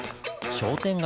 商店街